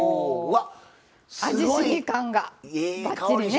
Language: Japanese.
味しみ感がばっちりですね。